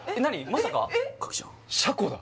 まさか？